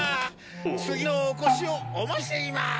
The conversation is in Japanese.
次のお越しをお待ちしています。